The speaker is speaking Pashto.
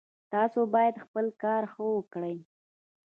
تاسو باید خپل کار ښه وکړئ